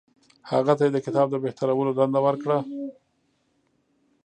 هغه ته یې د کتاب د بهترولو دنده ورکړه.